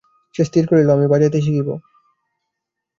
সে স্থির করিল, আমি বাজাইতে শিখিব।